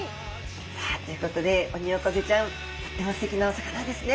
さあということでオニオコゼちゃんとってもすてきなお魚ですね。